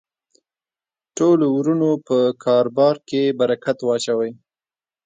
ټولو ورونو په کاربار کی برکت واچوی